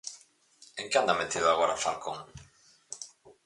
_¿En que anda metido agora Falcón?